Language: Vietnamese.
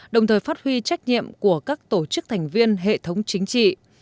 đồng thời phát huy trách nhiệm của các tổ chức thành viên hệ thống chính trị